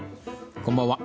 こんばんは。